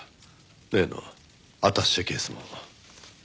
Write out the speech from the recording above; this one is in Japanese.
例のアタッシェケースも。